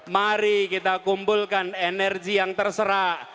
mari kita kumpulkan energi yang terserah